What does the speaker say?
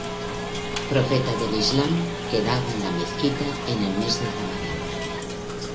Profeta del Islam quedaba en la mezquita en el mes de Ramadán.